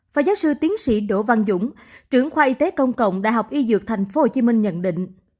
phá giác sư tiến sĩ đỗ văn dũng trưởng khoa y tế công cộng đại học y dược thành phố hồ chí minh nhận định